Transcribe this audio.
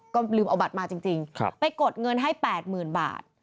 ก็ลืมเอาบัตรมาจริงไปกดเงินให้๘๐๐๐บาท